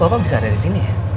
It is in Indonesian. eh kok bapak bisa ada di sini ya